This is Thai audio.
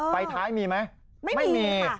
ไปท้ายมีไหมไม่มีค่ะไม่มี